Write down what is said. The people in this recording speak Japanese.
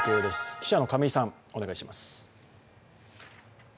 記者の亀井さん、お願いします。